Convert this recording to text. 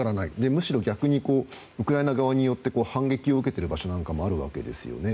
むしろ逆にウクライナ側によって反撃を受けている場所もあるわけですよね。